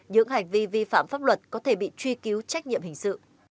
những hành vi vi phạm pháp luật có thể bị truy cứu trách nhiệm hình sự